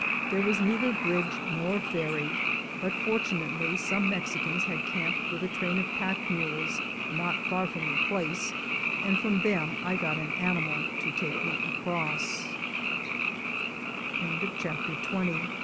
There was neither bridge nor ferry, but fortu nately some Mexicans had camped with a train of pack mules not far from the place, and from them I got an animal to take me ac